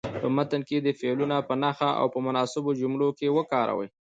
په متن کې دې فعلونه په نښه او په مناسبو جملو کې وکاروئ.